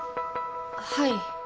はい。